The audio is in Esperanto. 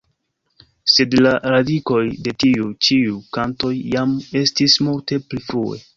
Sed la radikoj de tiuj ĉiuj kantoj jam estis multe pli rfue.